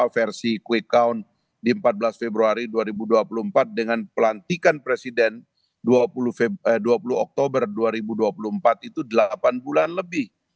versi quick count di empat belas februari dua ribu dua puluh empat dengan pelantikan presiden dua puluh oktober dua ribu dua puluh empat itu delapan bulan lebih